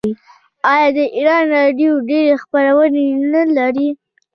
آیا د ایران راډیو ډیرې خپرونې نلري؟